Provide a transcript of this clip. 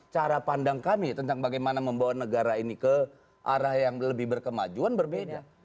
cara pandang kami tentang bagaimana membawa negara ini ke arah yang lebih berkemajuan berbeda